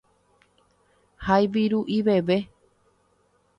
hayviru'i veve